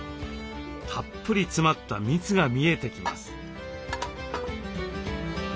たっぷり詰まった蜜が見えてきます。